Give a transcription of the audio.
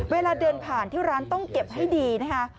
เวลาเดินผ่านที่ร้านต้องเก็บให้ดีนะคะ